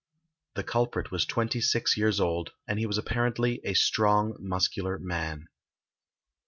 The culprit was twenty six years old, and he was apparently a strong muscular man.